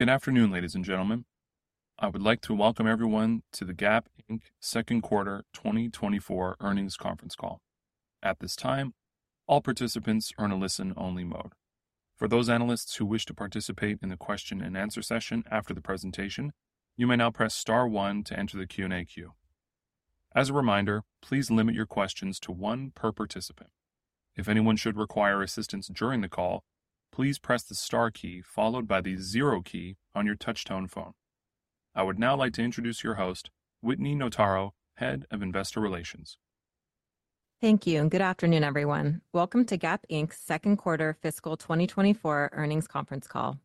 Good afternoon, ladies and gentlemen. I would like to welcome everyone to the Gap Inc.'s Second Quarter 2024 Earnings Conference Call. At this time, all participants are in a listen-only mode. For those analysts who wish to participate in the question-and-answer session after the presentation, you may now press star one to enter the Q&A queue. As a reminder, please limit your questions to one per participant. If anyone should require assistance during the call, please press the star key followed by the zero key on your touch-tone phone. I would now like to introduce your host, Whitney Notaro, Head of Investor Relations. Thank you, and good afternoon, everyone. Welcome to Gap Inc.'s Second Quarter Fiscal 2024 Conference Call.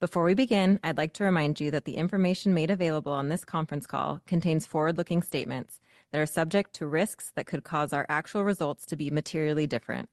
Before we begin, I'd like to remind you that the information made available on this conference call contains forward-looking statements that are subject to risks that could cause our actual results to be materially different.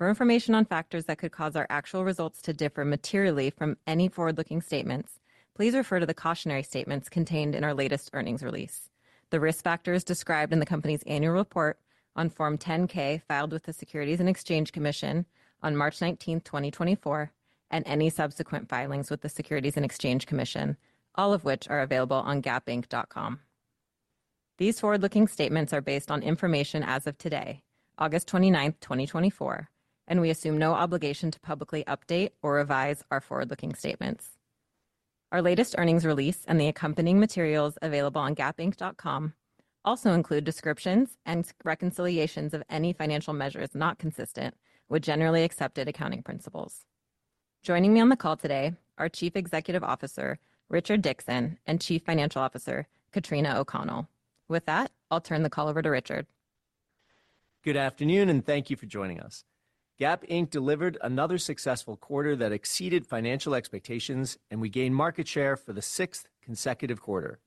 For information on factors that could cause our actual results to differ materially from any forward-looking statements, please refer to the cautionary statements contained in our latest earnings release, the risk factors described in the company's annual report on Form 10-K, filed with the Securities and Exchange Commission on March 19, 2024, and any subsequent filings with the Securities and Exchange Commission, all of which are available on gapinc.com. These forward-looking statements are based on information as of today, August 29th, 2024, and we assume no obligation to publicly update or revise our forward-looking statements. Our latest earnings release and the accompanying materials available on gapinc.com also include descriptions and reconciliations of any financial measures not consistent with generally accepted accounting principles. Joining me on the call today are Chief Executive Officer, Richard Dickson, and Chief Financial Officer, Katrina O'Connell. With that, I'll turn the call over to Richard. Good afternoon, and thank you for joining us. Gap Inc. delivered another successful quarter that exceeded financial expectations, and we gained market share for the sixth consecutive quarter.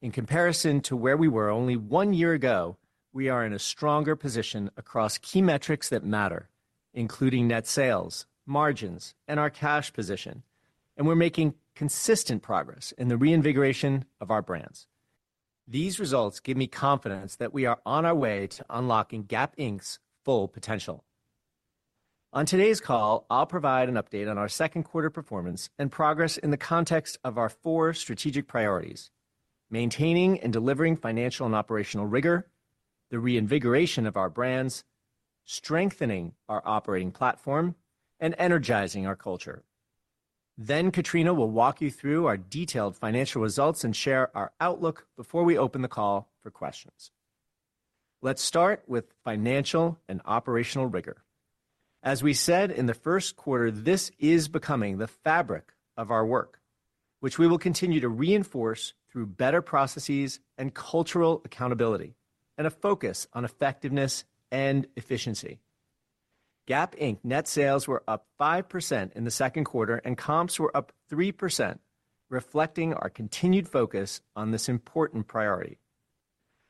In comparison to where we were only one year ago, we are in a stronger position across key metrics that matter, including net sales, margins, and our cash position, and we're making consistent progress in the reinvigoration of our brands. These results give me confidence that we are on our way to unlocking Gap Inc.'s full potential. On today's call, I'll provide an update on our second quarter performance and progress in the context of our four strategic priorities: maintaining and delivering financial and operational rigor, the reinvigoration of our brands, strengthening our operating platform, and energizing our culture. Then Katrina will walk you through our detailed financial results and share our outlook before we open the call for questions. Let's start with financial and operational rigor. As we said in the first quarter, this is becoming the fabric of our work, which we will continue to reinforce through better processes and cultural accountability and a focus on effectiveness and efficiency. Gap Inc. net sales were up 5% in the second quarter, and comps were up 3%, reflecting our continued focus on this important priority.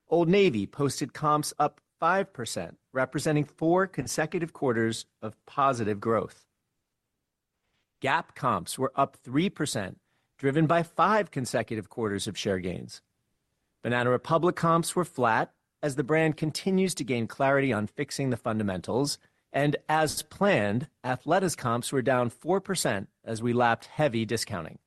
Old Navy posted comps up 5%, representing four consecutive quarters of positive growth. Gap comps were up 3%, driven by five consecutive quarters of share gains. Banana Republic comps were flat as the brand continues to gain clarity on fixing the fundamentals, and as planned, Athleta's comps were down 4% as we lapped heavy discounting.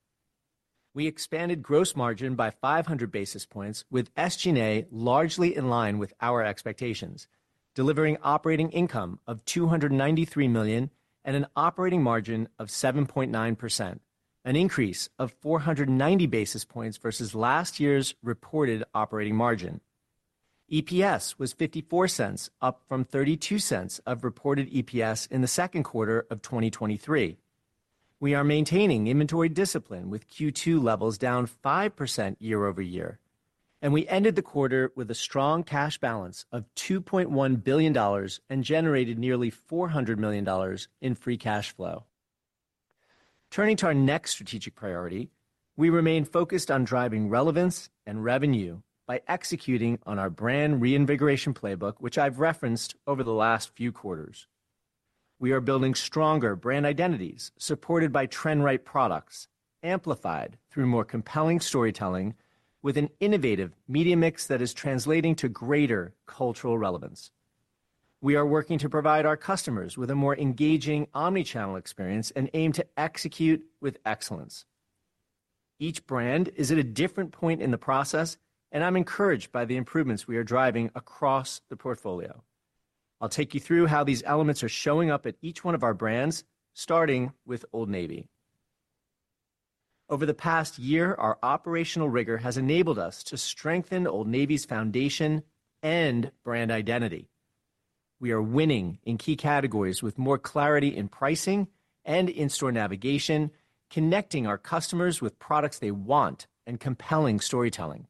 We expanded gross margin by 500 basis points, with SG&A largely in line with our expectations, delivering operating income of $293 million and an operating margin of 7.9%, an increase of 490 basis points versus last year's reported operating margin. EPS was $0.54, up from $0.32 of reported EPS in the second quarter of 2023. We are maintaining inventory discipline, with Q2 levels down 5% year-over-year, and we ended the quarter with a strong cash balance of $2.1 billion and generated nearly $400 million in free cash flow. Turning to our next strategic priority, we remain focused on driving relevance and revenue by executing on our brand reinvigoration playbook, which I've referenced over the last few quarters. We are building stronger brand identities, supported by trend-right products, amplified through more compelling storytelling with an innovative media mix that is translating to greater cultural relevance. We are working to provide our customers with a more engaging omnichannel experience and aim to execute with excellence. Each brand is at a different point in the process, and I'm encouraged by the improvements we are driving across the portfolio. I'll take you through how these elements are showing up at each one of our brands, starting with Old Navy. Over the past year, our operational rigor has enabled us to strengthen Old Navy's foundation and brand identity. We are winning in key categories with more clarity in pricing and in-store navigation, connecting our customers with products they want and compelling storytelling.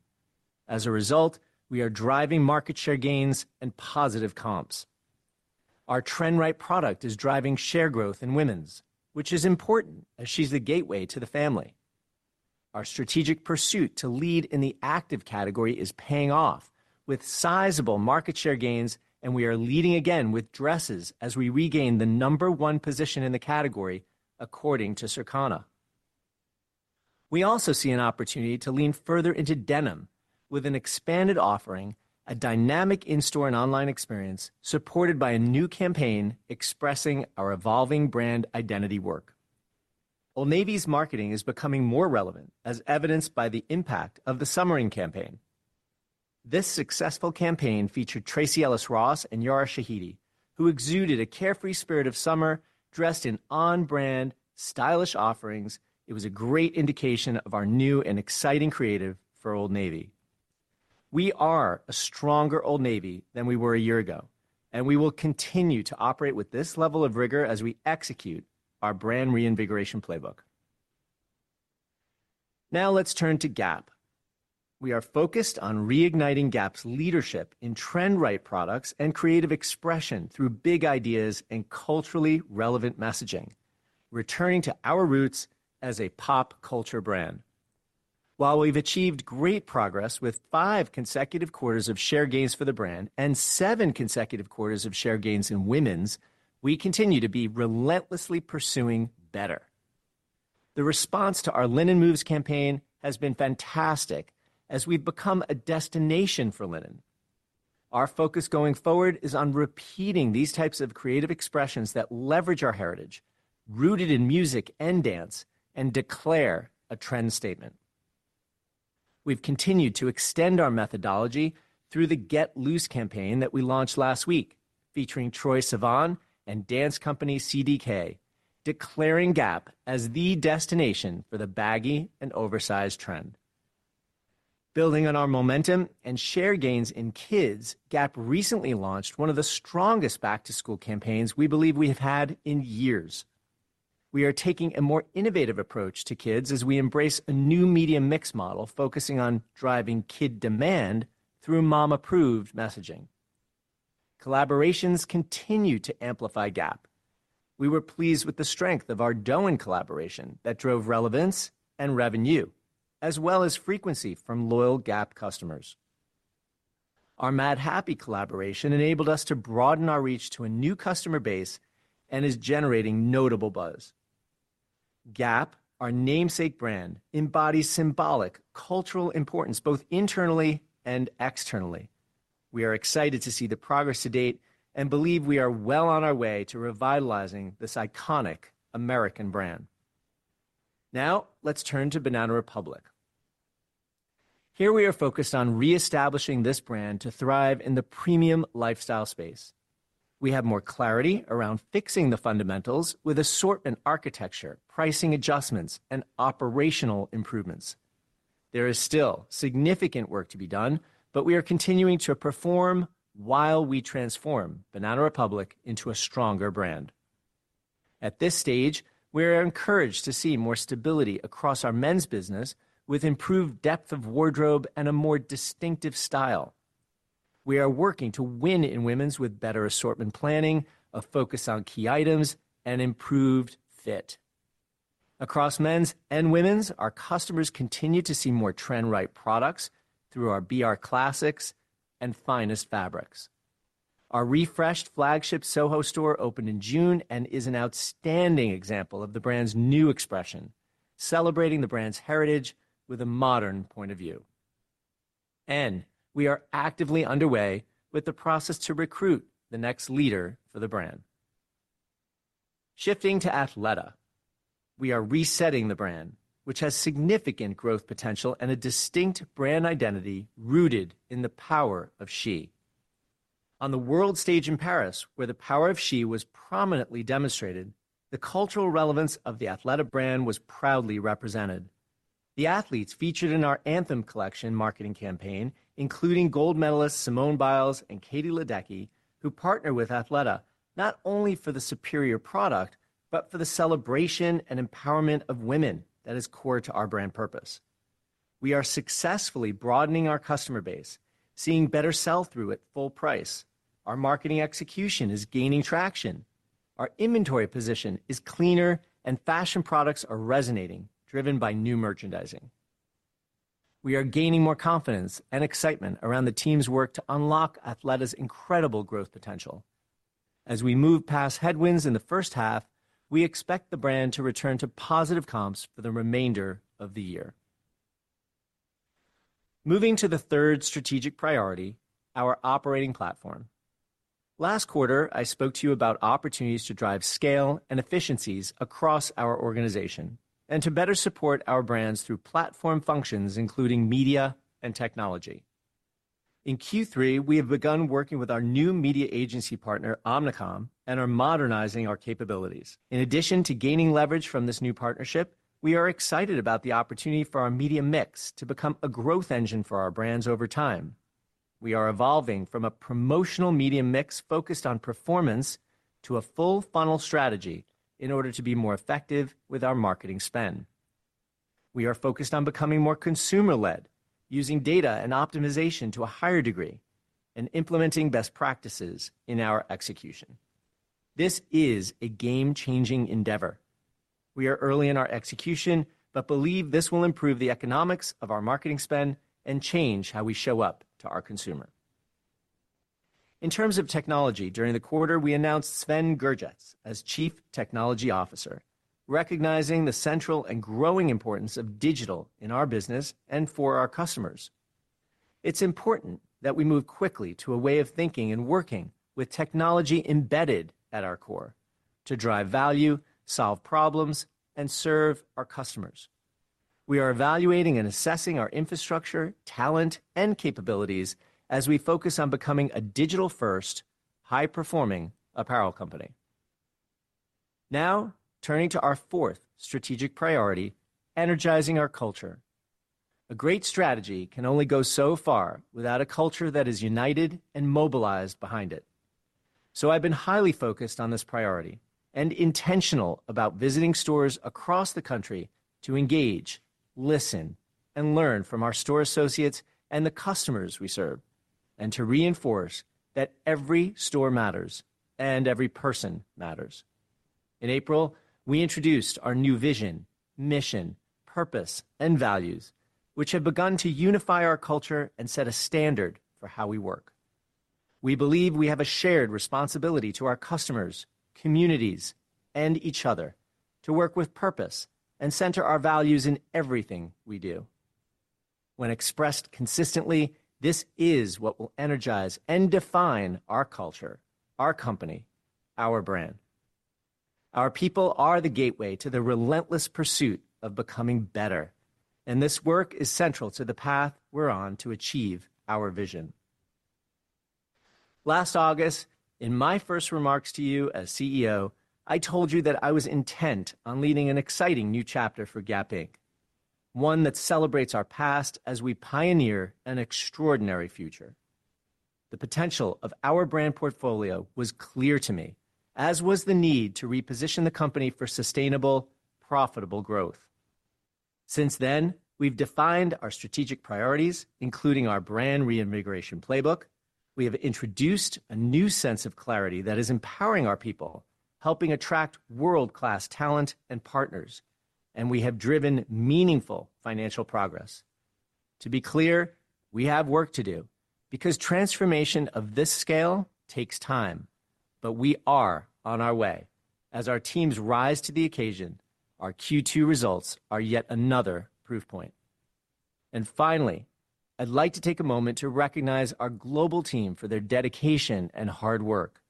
As a result, we are driving market share gains and positive comps. Our trend-right product is driving share growth in women's, which is important as she's the gateway to the family. Our strategic pursuit to lead in the active category is paying off with sizable market share gains, and we are leading again with dresses as we regain the number one position in the category, according to Circana. We also see an opportunity to lean further into denim, with an expanded offering, a dynamic in-store and online experience, supported by a new campaign expressing our evolving brand identity work. Old Navy's marketing is becoming more relevant, as evidenced by the impact of the Summering campaign. This successful campaign featured Tracee Ellis Ross and Yara Shahidi, who exuded a carefree spirit of summer, dressed in on-brand, stylish offerings. It was a great indication of our new and exciting creative for Old Navy. We are a stronger Old Navy than we were a year ago, and we will continue to operate with this level of rigor as we execute our brand reinvigoration playbook. Now let's turn to Gap. We are focused on reigniting Gap's leadership in trend-right products and creative expression through big ideas and culturally relevant messaging, returning to our roots as a pop culture brand. While we've achieved great progress with five consecutive quarters of share gains for the brand and seven consecutive quarters of share gains in women's, we continue to be relentlessly pursuing better. The response to our Linen Moves campaign has been fantastic, as we've become a destination for linen. Our focus going forward is on repeating these types of creative expressions that leverage our heritage, rooted in music and dance, and declare a trend statement. We've continued to extend our methodology through the Get Loose campaign that we launched last week, featuring Troye Sivan and dance company CDK, declaring Gap as the destination for the baggy and oversized trend. Building on our momentum and share gains in kids, Gap recently launched one of the strongest back-to-school campaigns we believe we have had in years. We are taking a more innovative approach to kids as we embrace a new media mix model, focusing on driving kid demand through mom-approved messaging. Collaborations continue to amplify Gap. We were pleased with the strength of our Dôen collaboration that drove relevance and revenue, as well as frequency from loyal Gap customers. Our Madhappy collaboration enabled us to broaden our reach to a new customer base and is generating notable buzz. Gap, our namesake brand, embodies symbolic cultural importance, both internally and externally. We are excited to see the progress to date and believe we are well on our way to revitalizing this iconic American brand. Now, let's turn to Banana Republic. Here we are focused on reestablishing this brand to thrive in the premium lifestyle space. We have more clarity around fixing the fundamentals with assortment architecture, pricing adjustments, and operational improvements. There is still significant work to be done, but we are continuing to perform while we transform Banana Republic into a stronger brand. At this stage, we are encouraged to see more stability across our men's business, with improved depth of wardrobe and a more distinctive style. We are working to win in women's with better assortment planning, a focus on key items, and improved fit. Across men's and women's, our customers continue to see more trend-right products through our BR Classics and finest fabrics. Our refreshed flagship Soho store opened in June and is an outstanding example of the brand's new expression, celebrating the brand's heritage with a modern point of view, and we are actively underway with the process to recruit the next leader for the brand. Shifting to Athleta, we are resetting the brand, which has significant growth potential and a distinct brand identity rooted in the Power of She. On the world stage in Paris, where the Power of She was prominently demonstrated, the cultural relevance of the Athleta brand was proudly represented. The athletes featured in our Anthem collection marketing campaign, including gold medalists Simone Biles and Katie Ledecky, who partner with Athleta, not only for the superior product, but for the celebration and empowerment of women that is core to our brand purpose. We are successfully broadening our customer base, seeing better sell-through at full price. Our marketing execution is gaining traction. Our inventory position is cleaner, and fashion products are resonating, driven by new merchandising. We are gaining more confidence and excitement around the team's work to unlock Athleta's incredible growth potential. As we move past headwinds in the first half, we expect the brand to return to positive comps for the remainder of the year. Moving to the third strategic priority, our operating platform. Last quarter, I spoke to you about opportunities to drive scale and efficiencies across our organization and to better support our brands through platform functions, including media and technology. In Q3, we have begun working with our new media agency partner, Omnicom, and are modernizing our capabilities. In addition to gaining leverage from this new partnership, we are excited about the opportunity for our media mix to become a growth engine for our brands over time. We are evolving from a promotional media mix focused on performance to a full funnel strategy in order to be more effective with our marketing spend. We are focused on becoming more consumer-led, using data and optimization to a higher degree and implementing best practices in our execution. This is a game-changing endeavor. We are early in our execution, but believe this will improve the economics of our marketing spend and change how we show up to our consumer. In terms of technology, during the quarter, we announced Sven Gerjets as Chief Technology Officer, recognizing the central and growing importance of digital in our business and for our customers. It's important that we move quickly to a way of thinking and working with technology embedded at our core to drive value, solve problems, and serve our customers. We are evaluating and assessing our infrastructure, talent, and capabilities as we focus on becoming a digital-first, high-performing apparel company. Now, turning to our fourth strategic priority, energizing our culture. A great strategy can only go so far without a culture that is united and mobilized behind it. So I've been highly focused on this priority and intentional about visiting stores across the country to engage, listen, and learn from our store associates and the customers we serve, and to reinforce that every store matters and every person matters. In April, we introduced our new vision, mission, purpose, and values, which have begun to unify our culture and set a standard for how we work. We believe we have a shared responsibility to our customers, communities, and each other to work with purpose and center our values in everything we do. When expressed consistently, this is what will energize and define our culture, our company, our brand. Our people are the gateway to the relentless pursuit of becoming better, and this work is central to the path we're on to achieve our vision. Last August, in my first remarks to you as CEO, I told you that I was intent on leading an exciting new chapter for Gap Inc., one that celebrates our past as we pioneer an extraordinary future. The potential of our brand portfolio was clear to me, as was the need to reposition the company for sustainable, profitable growth. Since then, we've defined our strategic priorities, including our brand reinvigoration playbook. We have introduced a new sense of clarity that is empowering our people, helping attract world-class talent and partners, and we have driven meaningful financial progress. To be clear, we have work to do because transformation of this scale takes time, but we are on our way. As our teams rise to the occasion, our Q2 results are yet another proof point. And finally, I'd like to take a moment to recognize our global team for their dedication and hard work.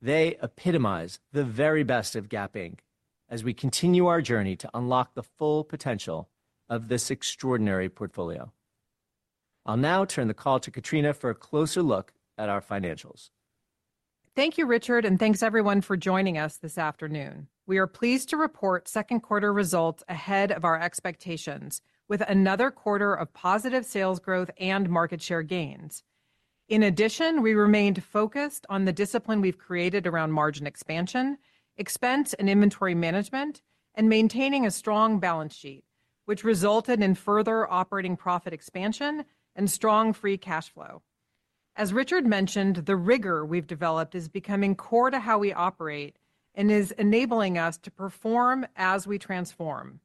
They epitomize the very best of Gap Inc. as we continue our journey to unlock the full potential of this extraordinary portfolio. I'll now turn the call to Katrina for a closer look at our financials. Thank you, Richard, and thanks everyone for joining us this afternoon. We are pleased to report second quarter results ahead of our expectations, with another quarter of positive sales growth and market share gains. In addition, we remained focused on the discipline we've created around margin expansion, expense and inventory management, and maintaining a strong balance sheet, which resulted in further operating profit expansion and strong free cash flow. As Richard mentioned, the rigor we've developed is becoming core to how we operate and is enabling us to perform as we transform.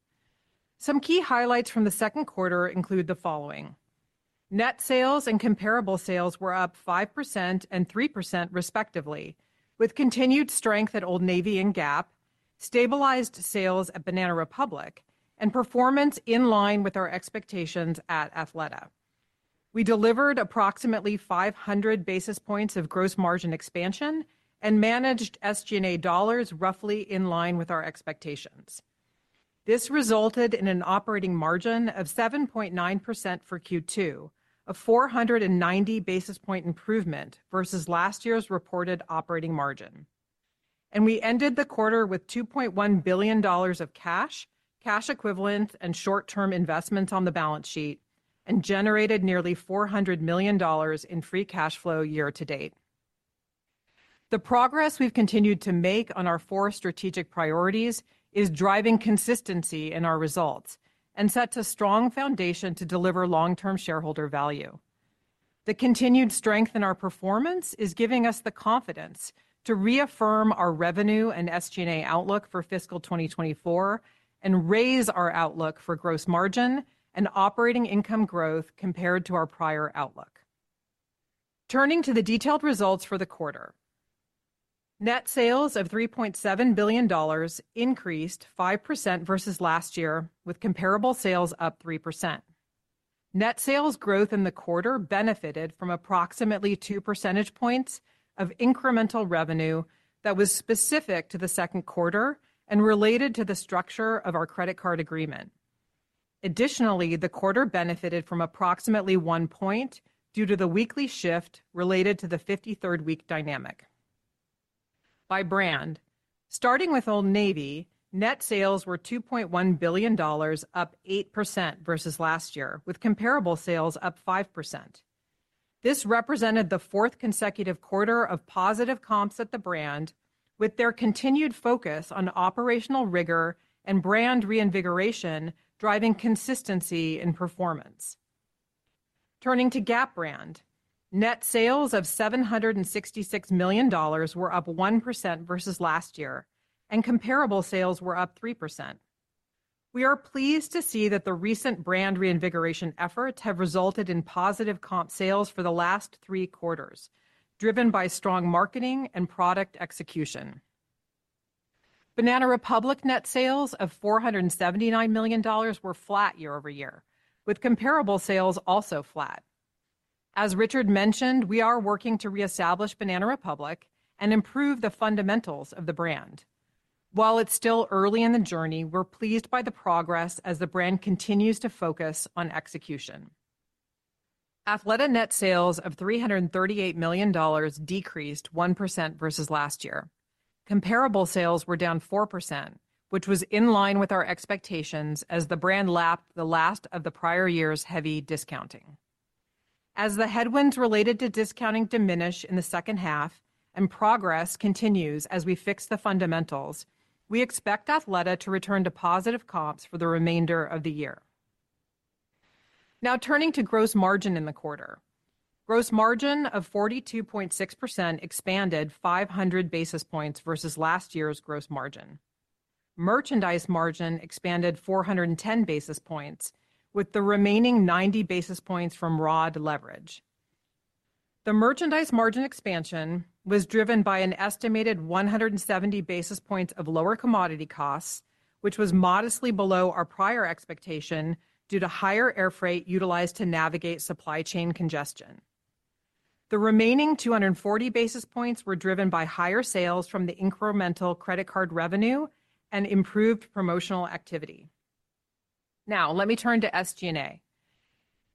Some key highlights from the second quarter include the following: Net sales and comparable sales were up 5% and 3% respectively, with continued strength at Old Navy and Gap, stabilized sales at Banana Republic, and performance in line with our expectations at Athleta. We delivered approximately 500 basis points of gross margin expansion and managed SG&A dollars roughly in line with our expectations. This resulted in an operating margin of 7.9% for Q2, a 490 basis point improvement versus last year's reported operating margin, and we ended the quarter with $2.1 billion of cash, cash equivalents, and short-term investments on the balance sheet, and generated nearly $400 million in free cash flow year to date. The progress we've continued to make on our four strategic priorities is driving consistency in our results and sets a strong foundation to deliver long-term shareholder value. The continued strength in our performance is giving us the confidence to reaffirm our revenue and SG&A outlook for fiscal 2024, and raise our outlook for gross margin and operating income growth compared to our prior outlook. Turning to the detailed results for the quarter. Net sales of $3.7 billion increased 5% versus last year, with comparable sales up 3%. Net sales growth in the quarter benefited from approximately two percentage points of incremental revenue that was specific to the second quarter and related to the structure of our credit card agreement. Additionally, the quarter benefited from approximately one point due to the weekly shift related to the 53rd week dynamic. By brand, starting with Old Navy, net sales were $2.1 billion, up 8% versus last year, with comparable sales up 5%. This represented the fourth consecutive quarter of positive comps at the brand, with their continued focus on operational rigor and brand reinvigoration, driving consistency in performance. Turning to Gap brand, net sales of $766 million were up 1% versus last year, and comparable sales were up 3%. We are pleased to see that the recent brand reinvigoration efforts have resulted in positive comp sales for the last three quarters, driven by strong marketing and product execution. Banana Republic net sales of $479 million were flat year-over-year, with comparable sales also flat. As Richard mentioned, we are working to reestablish Banana Republic and improve the fundamentals of the brand. While it's still early in the journey, we're pleased by the progress as the brand continues to focus on execution. Athleta net sales of $338 million decreased 1% versus last year. Comparable sales were down 4%, which was in line with our expectations as the brand lapped the last of the prior year's heavy discounting. As the headwinds related to discounting diminish in the second half and progress continues as we fix the fundamentals, we expect Athleta to return to positive comps for the remainder of the year. Now, turning to gross margin in the quarter. Gross margin of 42.6% expanded 500 basis points versus last year's gross margin. Merchandise margin expanded 410 basis points, with the remaining 90 basis points from ROD leverage. The merchandise margin expansion was driven by an estimated 170 basis points of lower commodity costs, which was modestly below our prior expectation due to higher air freight utilized to navigate supply chain congestion. The remaining 240 basis points were driven by higher sales from the incremental credit card revenue and improved promotional activity. Now, let me turn to SG&A.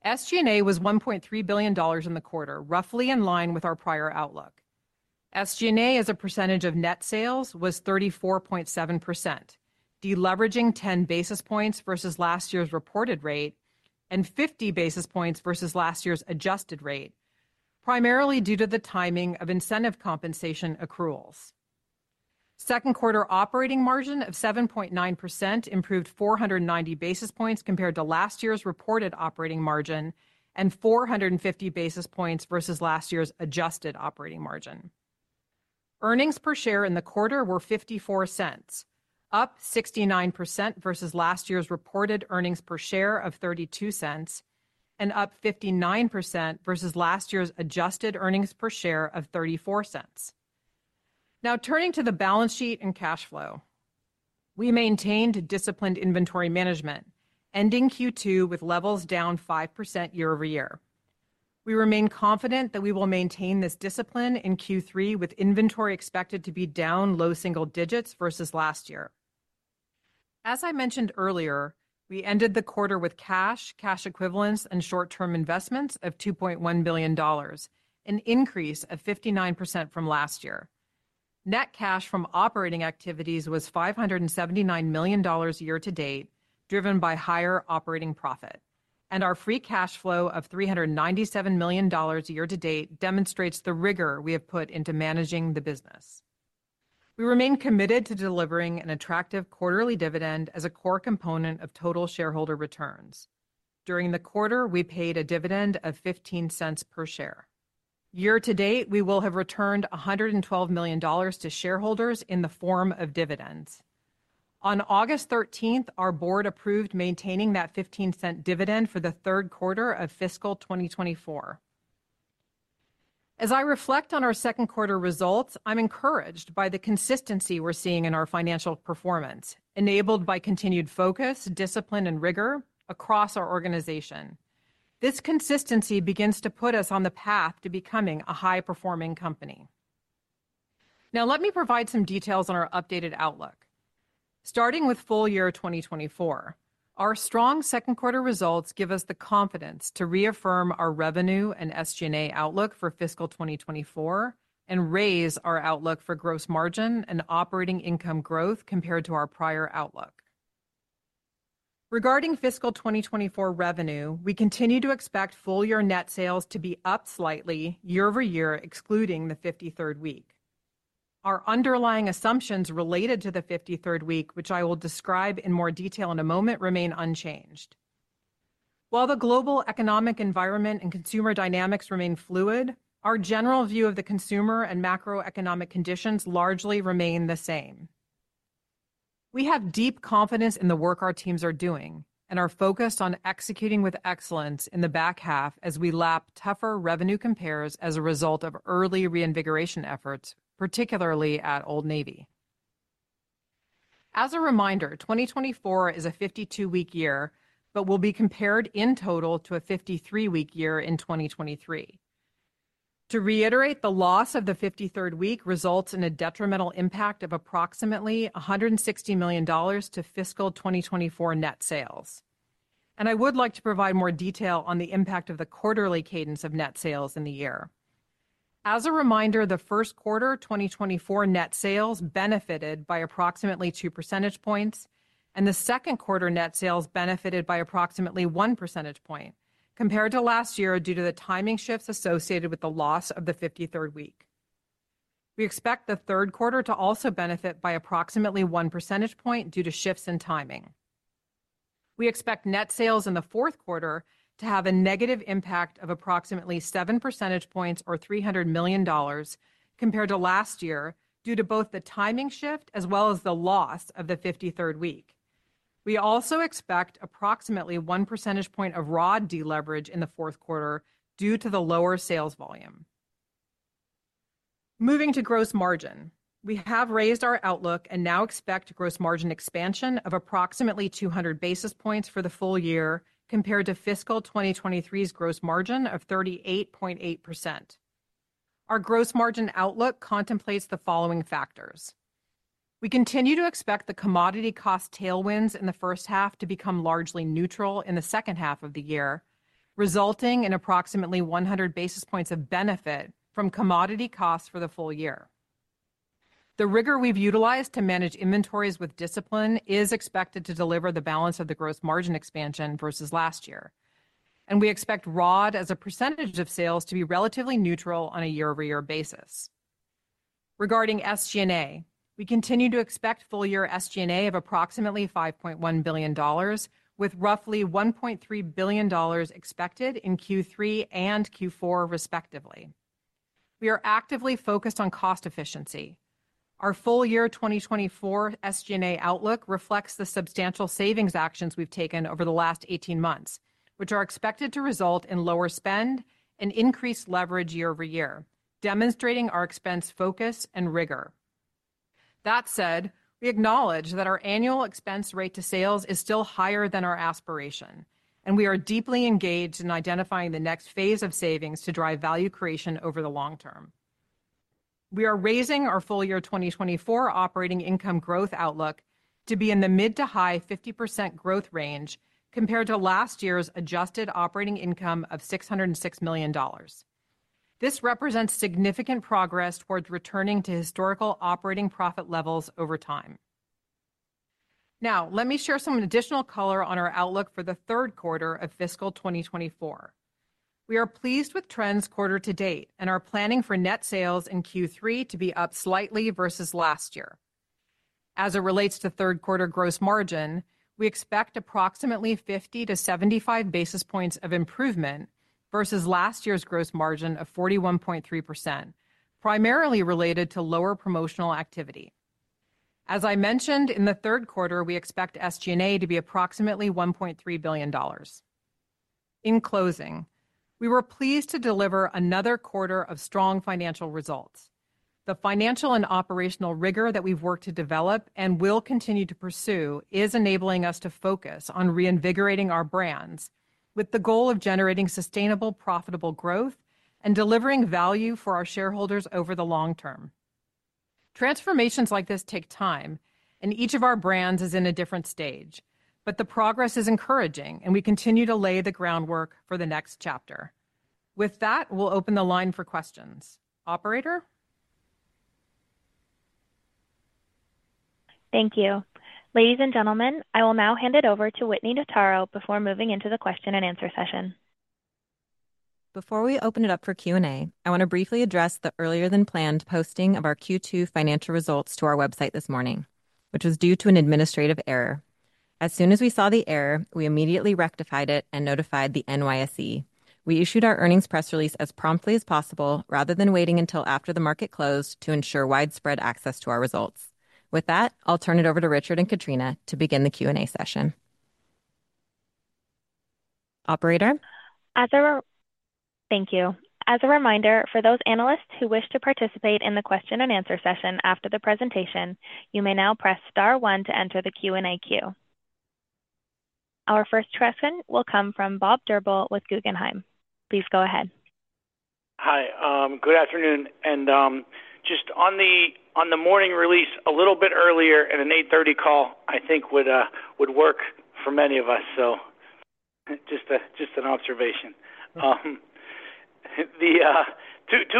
SG&A was $1.3 billion in the quarter, roughly in line with our prior outlook. SG&A, as a percentage of net sales, was 34.7%, deleveraging 10 basis points versus last year's reported rate and 50 basis points versus last year's adjusted rate, primarily due to the timing of incentive compensation accruals. Second quarter operating margin of 7.9% improved 490 basis points compared to last year's reported operating margin and 450 basis points versus last year's adjusted operating margin. Earnings per share in the quarter were $0.54, up 69% versus last year's reported earnings per share of $0.32 and up 59% versus last year's adjusted earnings per share of $0.34. Now, turning to the balance sheet and cash flow. We maintained disciplined inventory management, ending Q2 with levels down 5% year-over-year. We remain confident that we will maintain this discipline in Q3, with inventory expected to be down low single digits versus last year. As I mentioned earlier, we ended the quarter with cash, cash equivalents, and short-term investments of $2.1 billion, an increase of 59% from last year. Net cash from operating activities was $579 million year to date, driven by higher operating profit, and our free cash flow of $397 million year to date demonstrates the rigor we have put into managing the business. We remain committed to delivering an attractive quarterly dividend as a core component of total shareholder returns. During the quarter, we paid a dividend of $0.15 per share. Year to date, we will have returned $112 million to shareholders in the form of dividends. On August 13, our board approved maintaining that $0.15 dividend for the third quarter of fiscal 2024. As I reflect on our second quarter results, I'm encouraged by the consistency we're seeing in our financial performance, enabled by continued focus, discipline, and rigor across our organization. This consistency begins to put us on the path to becoming a high-performing company. Now, let me provide some details on our updated outlook. Starting with full-year 2024, our strong second quarter results give us the confidence to reaffirm our revenue and SG&A outlook for fiscal 2024 and raise our outlook for gross margin and operating income growth compared to our prior outlook. Regarding fiscal 2024 revenue, we continue to expect full-year net sales to be up slightly year-over-year, excluding the 53rd week. Our underlying assumptions related to the 53rd week, which I will describe in more detail in a moment, remain unchanged. While the global economic environment and consumer dynamics remain fluid, our general view of the consumer and macroeconomic conditions largely remain the same. We have deep confidence in the work our teams are doing and are focused on executing with excellence in the back half as we lap tougher revenue compares as a result of early reinvigoration efforts, particularly at Old Navy. As a reminder, 2024 is a 52-week year, but will be compared in total to a 53-week year in 2023. To reiterate, the loss of the 53rd week results in a detrimental impact of approximately $160 million to fiscal 2024 net sales. And I would like to provide more detail on the impact of the quarterly cadence of net sales in the year. As a reminder, the first quarter, 2024 net sales benefited by approximately two percentage points, and the second quarter net sales benefited by approximately one percentage point compared to last year due to the timing shifts associated with the loss of the 53rd week. We expect the third quarter to also benefit by approximately one percentage point due to shifts in timing. We expect net sales in the fourth quarter to have a negative impact of approximately seven percentage points or $300 million compared to last year, due to both the timing shift as well as the loss of the 53rd week. We also expect approximately one percentage point of raw deleverage in the fourth quarter due to the lower sales volume. Moving to gross margin, we have raised our outlook and now expect gross margin expansion of approximately 200 basis points for the full year, compared to fiscal 2023's gross margin of 38.8%. Our gross margin outlook contemplates the following factors. We continue to expect the commodity cost tailwinds in the first half to become largely neutral in the second half of the year, resulting in approximately 100 basis points of benefit from commodity costs for the full year. The rigor we've utilized to manage inventories with discipline is expected to deliver the balance of the gross margin expansion versus last year, and we expect ROD as a percentage of sales to be relatively neutral on a year-over-year basis. Regarding SG&A, we continue to expect full-year SG&A of approximately $5.1 billion, with roughly $1.3 billion expected in Q3 and Q4, respectively. We are actively focused on cost efficiency. Our full-year 2024 SG&A outlook reflects the substantial savings actions we've taken over the last 18 months, which are expected to result in lower spend and increased leverage year-over-year, demonstrating our expense, focus, and rigor. That said, we acknowledge that our annual expense rate to sales is still higher than our aspiration, and we are deeply engaged in identifying the next phase of savings to drive value creation over the long term. We are raising our full-year 2024 operating income growth outlook to be in the mid- to high-50% growth range, compared to last year's adjusted operating income of $606 million. This represents significant progress towards returning to historical operating profit levels over time. Now, let me share some additional color on our outlook for the third quarter of fiscal 2024. We are pleased with trends quarter to date and are planning for net sales in Q3 to be up slightly versus last year. As it relates to third quarter gross margin, we expect approximately 50-75 basis points of improvement versus last year's gross margin of 41.3%, primarily related to lower promotional activity. As I mentioned, in the third quarter, we expect SG&A to be approximately $1.3 billion. In closing, we were pleased to deliver another quarter of strong financial results. The financial and operational rigor that we've worked to develop and will continue to pursue is enabling us to focus on reinvigorating our brands with the goal of generating sustainable, profitable growth and delivering value for our shareholders over the long term. Transformations like this take time, and each of our brands is in a different stage, but the progress is encouraging, and we continue to lay the groundwork for the next chapter. With that, we'll open the line for questions. Operator? Thank you. Ladies and gentlemen, I will now hand it over to Whitney Notaro before moving into the question and answer session. Before we open it up for Q&A, I want to briefly address the earlier-than-planned posting of our Q2 financial results to our website this morning, which was due to an administrative error. As soon as we saw the error, we immediately rectified it and notified the NYSE. We issued our earnings press release as promptly as possible, rather than waiting until after the market closed to ensure widespread access to our results. With that, I'll turn it over to Richard and Katrina to begin the Q&A session. Operator? Thank you. As a reminder, for those analysts who wish to participate in the question and answer session after the presentation, you may now press star one to enter the Q&A queue. Our first question will come from Bob Drbul with Guggenheim. Please go ahead. Hi, good afternoon, and just on the morning release, a little bit earlier and an 8:30AM call, I think would work for many of us. So just an observation. Two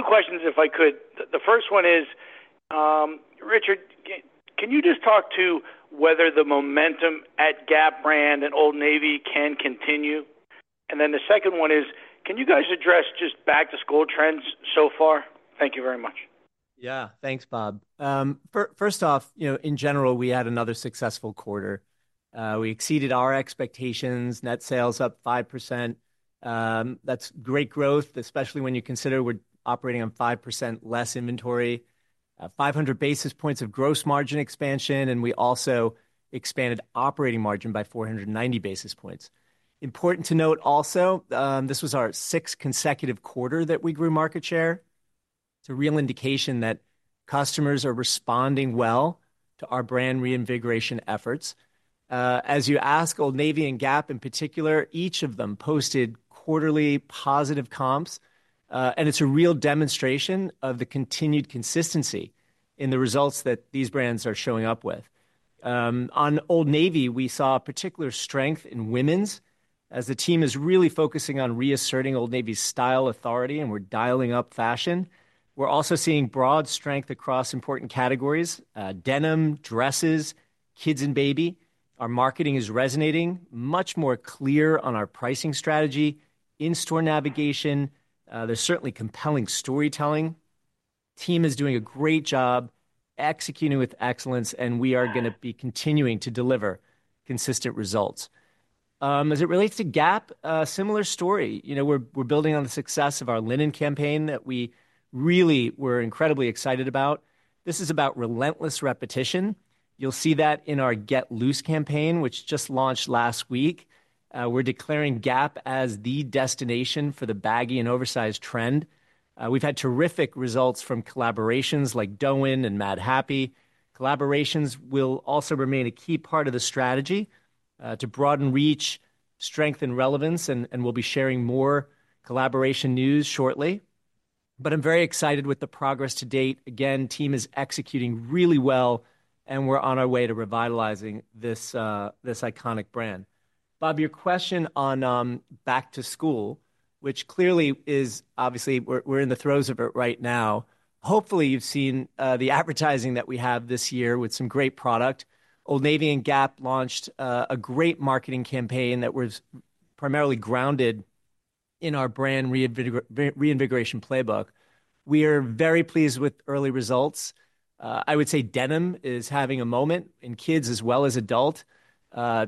questions, if I could. The first one is, Richard, can you just talk to whether the momentum at Gap brand and Old Navy can continue? And then the second one is: can you guys address just back-to-school trends so far? Thank you very much. Yeah. Thanks, Bob. First off, you know, in general, we had another successful quarter. We exceeded our expectations. Net sales up 5%. That's great growth, especially when you consider we're operating on 5% less inventory, 500 basis points of gross margin expansion, and we also expanded operating margin by 490 basis points. Important to note also, this was our sixth consecutive quarter that we grew market share. It's a real indication that customers are responding well to our brand reinvigoration efforts. As you ask, Old Navy and Gap in particular, each of them posted quarterly positive comps, and it's a real demonstration of the continued consistency in the results that these brands are showing up with. On Old Navy, we saw a particular strength in women's as the team is really focusing on reasserting Old Navy's style, authority, and we're dialing up fashion. We're also seeing broad strength across important categories: denim, dresses, kids and baby. Our marketing is resonating, much more clear on our pricing strategy, in-store navigation, there's certainly compelling storytelling.... team is doing a great job executing with excellence, and we are gonna be continuing to deliver consistent results. As it relates to Gap, a similar story. You know, we're building on the success of our linen campaign that we really were incredibly excited about. This is about relentless repetition. You'll see that in our Get Loose campaign, which just launched last week. We're declaring Gap as the destination for the baggy and oversized trend. We've had terrific results from collaborations like Dôen and Madhappy. Collaborations will also remain a key part of the strategy to broaden reach, strengthen relevance, and we'll be sharing more collaboration news shortly. But I'm very excited with the progress to date. Again, team is executing really well, and we're on our way to revitalizing this iconic brand. Bob, your question on back to school, which clearly is obviously we're in the throes of it right now. Hopefully, you've seen the advertising that we have this year with some great product. Old Navy and Gap launched a great marketing campaign that was primarily grounded in our brand reinvigoration playbook. We are very pleased with early results. I would say denim is having a moment in kids as well as adult.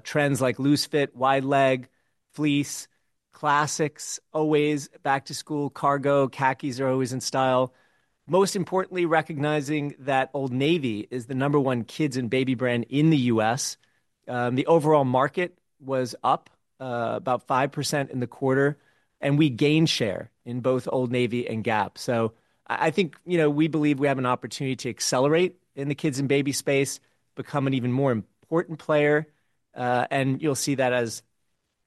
Trends like loose fit, wide leg, fleece, classics, always back to school, cargo, khakis are always in style. Most importantly, recognizing that Old Navy is the number one kids and baby brand in the U.S. The overall market was up about 5% in the quarter, and we gained share in both Old Navy and Gap. I think, you know, we believe we have an opportunity to accelerate in the kids and baby space, become an even more important player, and you'll see that as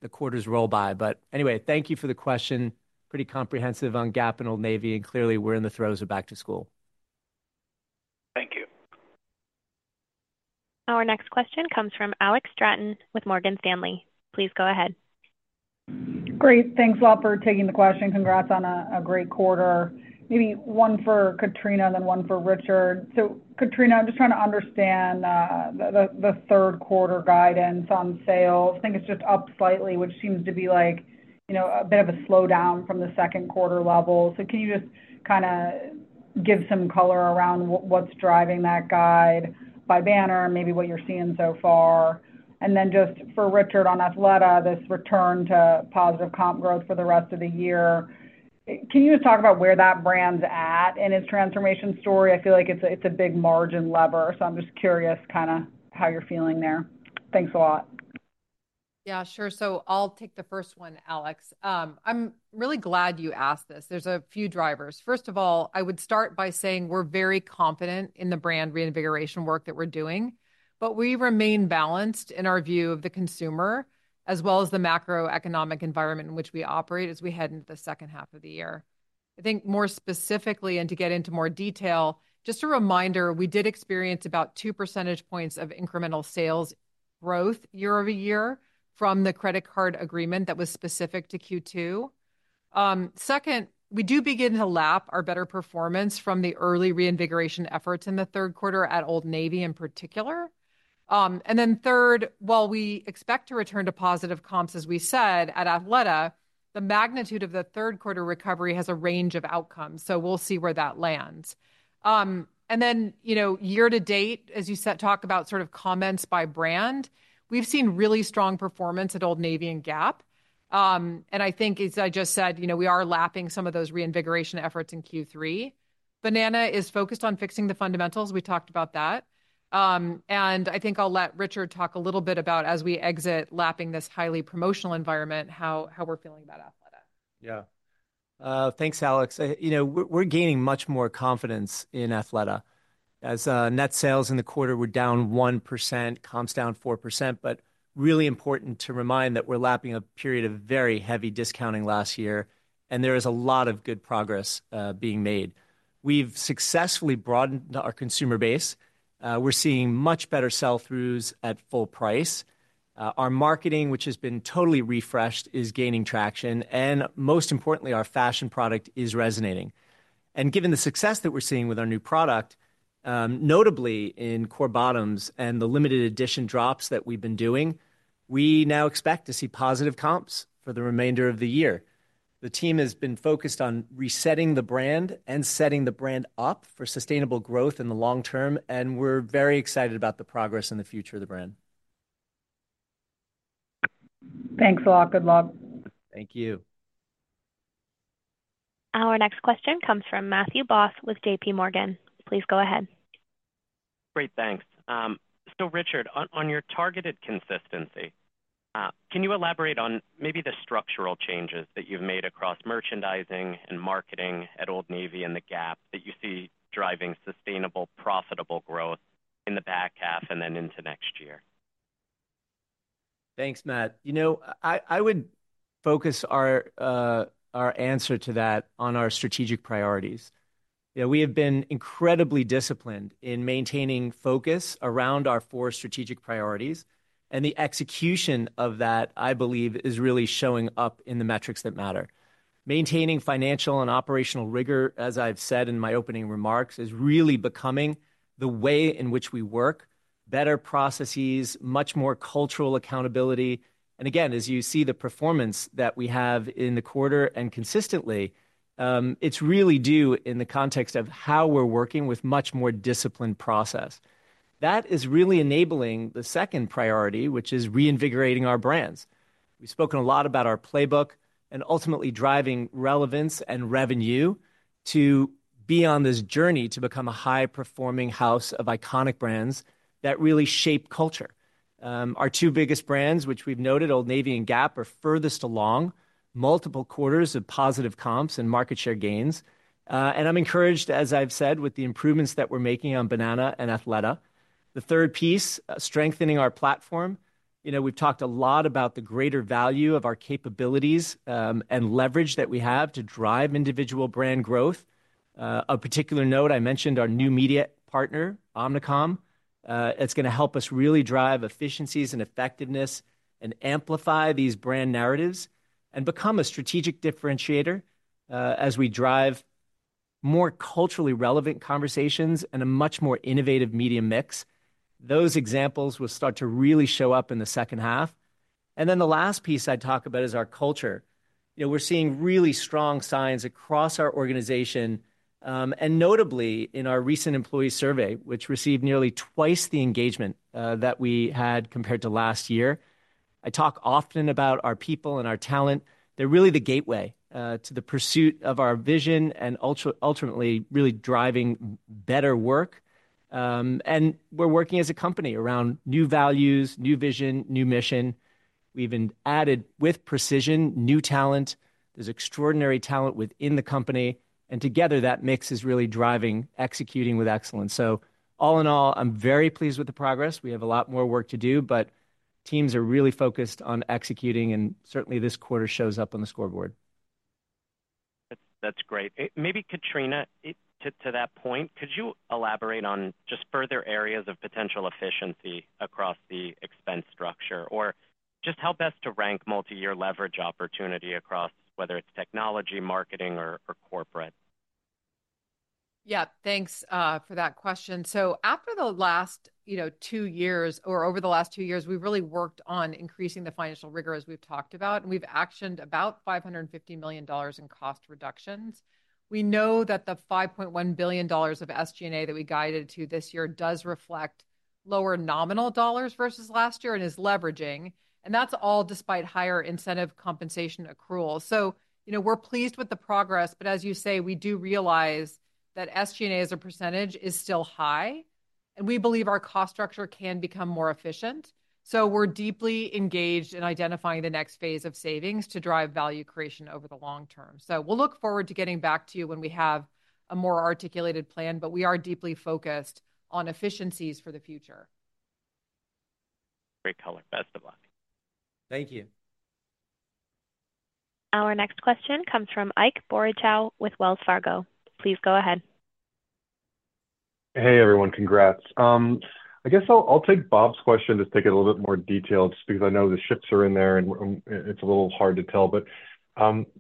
the quarters roll by. But anyway, thank you for the question. Pretty comprehensive on Gap and Old Navy, and clearly, we're in the throes of back to school. Thank you. Our next question comes from Alex Straton with Morgan Stanley. Please go ahead. Great. Thanks, all, for taking the question. Congrats on a great quarter. Maybe one for Katrina, then one for Richard. So, Katrina, I'm just trying to understand the third quarter guidance on sales. I think it's just up slightly, which seems to be like, you know, a bit of a slowdown from the second quarter level. So can you just kinda give some color around what's driving that guide by banner, maybe what you're seeing so far? And then just for Richard on Athleta, this return to positive comp growth for the rest of the year. Can you just talk about where that brand's at in its transformation story? I feel like it's a big margin lever, so I'm just curious kinda how you're feeling there. Thanks a lot. Yeah, sure. So I'll take the first one, Alex. I'm really glad you asked this. There's a few drivers. First of all, I would start by saying we're very confident in the brand reinvigoration work that we're doing, but we remain balanced in our view of the consumer, as well as the macroeconomic environment in which we operate as we head into the second half of the year. I think more specifically, and to get into more detail, just a reminder, we did experience about two percentage points of incremental sales growth year-over-year from the credit card agreement that was specific to Q2. Second, we do begin to lap our better performance from the early reinvigoration efforts in the third quarter at Old Navy in particular. And then third, while we expect to return to positive comps, as we said at Athleta, the magnitude of the third quarter recovery has a range of outcomes, so we'll see where that lands. And then, you know, year to date, as you said, talk about sort of comments by brand, we've seen really strong performance at Old Navy and Gap. And I think, as I just said, you know, we are lapping some of those reinvigoration efforts in Q3. Banana is focused on fixing the fundamentals. We talked about that. And I think I'll let Richard talk a little bit about as we exit, lapping this highly promotional environment, how we're feeling about Athleta. Yeah. Thanks, Alex. You know, we're gaining much more confidence in Athleta. As net sales in the quarter were down 1%, comps down 4%, but really important to remind that we're lapping a period of very heavy discounting last year, and there is a lot of good progress being made. We've successfully broadened our consumer base. We're seeing much better sell-throughs at full price. Our marketing, which has been totally refreshed, is gaining traction, and most importantly, our fashion product is resonating, and given the success that we're seeing with our new product, notably in core bottoms and the limited edition drops that we've been doing, we now expect to see positive comps for the remainder of the year. The team has been focused on resetting the brand and setting the brand up for sustainable growth in the long term, and we're very excited about the progress and the future of the brand. Thanks a lot. Good luck. Thank you. Our next question comes from Matthew Boss with JPMorgan. Please go ahead. Great, thanks. So Richard, on your targeted consistency, can you elaborate on maybe the structural changes that you've made across merchandising and marketing at Old Navy and the Gap that you see driving sustainable, profitable growth in the back half and then into next year? Thanks, Matt. You know, I would focus our answer to that on our strategic priorities. Yeah, we have been incredibly disciplined in maintaining focus around our four strategic priorities, and the execution of that, I believe, is really showing up in the metrics that matter. Maintaining financial and operational rigor, as I've said in my opening remarks, is really becoming the way in which we work... better processes, much more cultural accountability, and again, as you see the performance that we have in the quarter and consistently, it's really due in the context of how we're working with much more disciplined process. That is really enabling the second priority, which is reinvigorating our brands. We've spoken a lot about our playbook and ultimately driving relevance and revenue to be on this journey to become a high-performing house of iconic brands that really shape culture. Our two biggest brands, which we've noted, Old Navy and Gap, are furthest along, multiple quarters of positive comps and market share gains. And I'm encouraged, as I've said, with the improvements that we're making on Banana and Athleta. The third piece, strengthening our platform. You know, we've talked a lot about the greater value of our capabilities, and leverage that we have to drive individual brand growth. Of particular note, I mentioned our new media partner, Omnicom. It's gonna help us really drive efficiencies and effectiveness and amplify these brand narratives and become a strategic differentiator, as we drive more culturally relevant conversations and a much more innovative media mix. Those examples will start to really show up in the second half. Then the last piece I'd talk about is our culture. You know, we're seeing really strong signs across our organization, and notably in our recent employee survey, which received nearly twice the engagement that we had compared to last year. I talk often about our people and our talent. They're really the gateway to the pursuit of our vision and ultimately, really driving better work. And we're working as a company around new values, new vision, new mission. We've been added with precision, new talent. There's extraordinary talent within the company, and together, that mix is really driving, executing with excellence. So all in all, I'm very pleased with the progress. We have a lot more work to do, but teams are really focused on executing, and certainly, this quarter shows up on the scoreboard. That's, that's great. Maybe Katrina, to that point, could you elaborate on just further areas of potential efficiency across the expense structure, or just help us to rank multiyear leverage opportunity across whether it's technology, marketing, or corporate? Yeah, thanks for that question. So after the last, you know, two years or over the last two years, we've really worked on increasing the financial rigor, as we've talked about, and we've actioned about $550 million in cost reductions. We know that the $5.1 billion of SG&A that we guided to this year does reflect lower nominal dollars versus last year and is leveraging, and that's all despite higher incentive compensation accrual. So, you know, we're pleased with the progress, but as you say, we do realize that SG&A, as a percentage, is still high, and we believe our cost structure can become more efficient. So we're deeply engaged in identifying the next phase of savings to drive value creation over the long term. So we'll look forward to getting back to you when we have a more articulated plan, but we are deeply focused on efficiencies for the future. Great color. Best of luck. Thank you. Our next question comes from Ike Boruchow with Wells Fargo. Please go ahead. Hey, everyone, congrats. I guess I'll take Bob's question, just take it a little bit more detailed, just because I know the charts are in there, and it's a little hard to tell. But,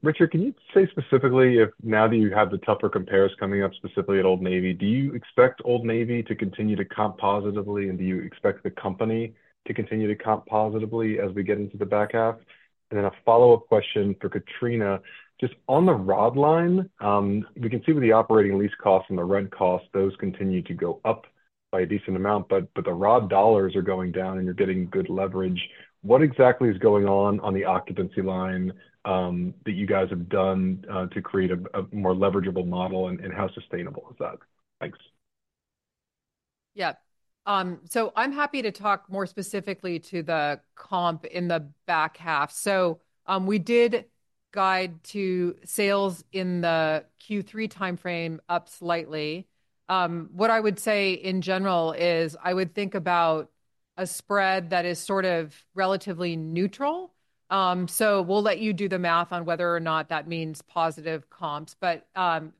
Richard, can you say specifically if now that you have the tougher compares coming up, specifically at Old Navy, do you expect Old Navy to continue to comp positively, and do you expect the company to continue to comp positively as we get into the back half? And then a follow-up question for Katrina. Just on the ROD line, we can see with the operating lease costs and the rent costs, those continue to go up by a decent amount, but the ROD dollars are going down, and you're getting good leverage. What exactly is going on on the occupancy line that you guys have done to create a more leverageable model, and how sustainable is that? Thanks. Yeah. So I'm happy to talk more specifically to the comp in the back half. So, we did guide to sales in the Q3 time frame up slightly. What I would say in general is I would think about a spread that is sort of relatively neutral. So we'll let you do the math on whether or not that means positive comps. But,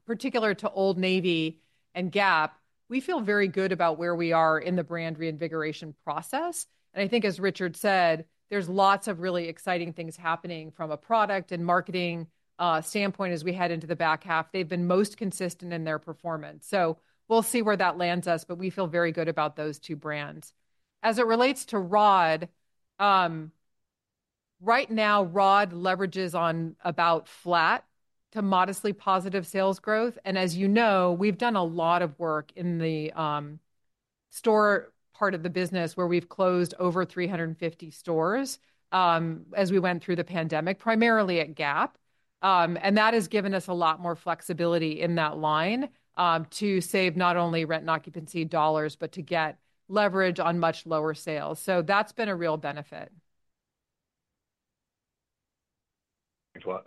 particular to Old Navy and Gap, we feel very good about where we are in the brand reinvigoration process. And I think, as Richard said, there's lots of really exciting things happening from a product and marketing standpoint as we head into the back half. They've been most consistent in their performance. So we'll see where that lands us, but we feel very good about those two brands. As it relates to ROD, right now, ROD leverages on about flat to modestly positive sales growth, and as you know, we've done a lot of work in the store part of the business, where we've closed over 350 stores as we went through the pandemic, primarily at Gap, and that has given us a lot more flexibility in that line to save not only rent and occupancy dollars, but to get leverage on much lower sales, so that's been a real benefit. Thanks a lot.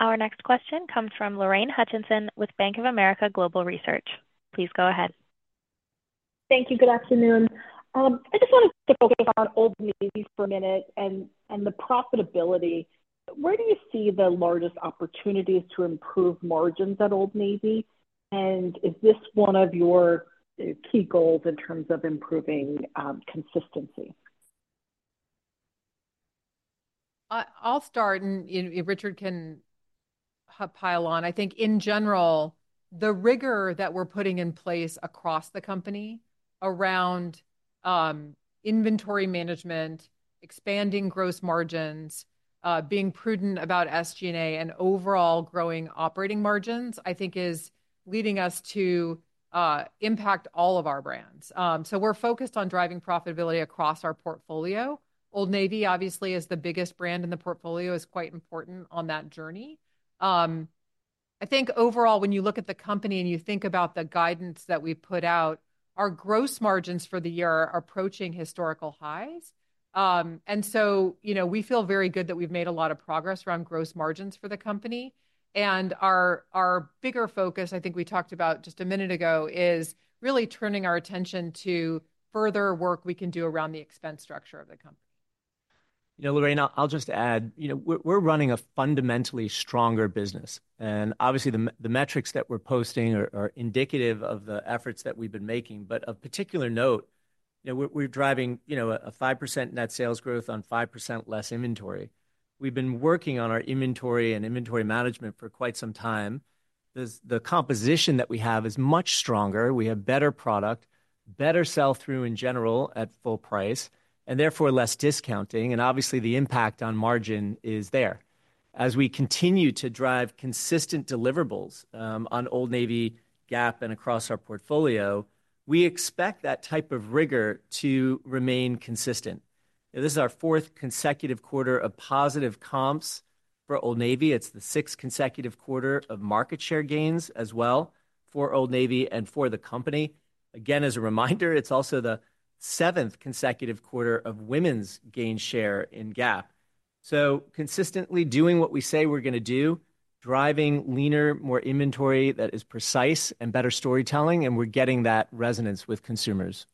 Our next question comes from Lorraine Hutchinson with Bank of America Global Research. Please go ahead. Thank you. Good afternoon. I just wanted to focus on Old Navy for a minute and the profitability. Where do you see the largest opportunities to improve margins at Old Navy? And is this one of your key goals in terms of improving consistency? I'll start, and if Richard can pile on. I think in general, the rigor that we're putting in place across the company around inventory management, expanding gross margins, being prudent about SG&A, and overall growing operating margins, I think is leading us to impact all of our brands. So we're focused on driving profitability across our portfolio. Old Navy, obviously, as the biggest brand in the portfolio, is quite important on that journey. I think overall, when you look at the company and you think about the guidance that we've put out, our gross margins for the year are approaching historical highs. And so, you know, we feel very good that we've made a lot of progress around gross margins for the company. Our bigger focus, I think we talked about just a minute ago, is really turning our attention to further work we can do around the expense structure of the company. You know, Lorraine, I'll just add, you know, we're running a fundamentally stronger business, and obviously, the metrics that we're posting are indicative of the efforts that we've been making. But of particular note, you know, we're driving, you know, a 5% net sales growth on 5% less inventory. We've been working on our inventory and inventory management for quite some time. The composition that we have is much stronger. We have better product, better sell-through in general at full price, and therefore, less discounting, and obviously, the impact on margin is there. As we continue to drive consistent deliverables on Old Navy, Gap, and across our portfolio, we expect that type of rigor to remain consistent. This is our fourth consecutive quarter of positive comps for Old Navy. It's the sixth consecutive quarter of market share gains as well for Old Navy and for the company. Again, as a reminder, it's also the seventh consecutive quarter of women's gain share in Gap. So consistently doing what we say we're gonna do, driving leaner, more inventory that is precise and better storytelling, and we're getting that resonance with consumers.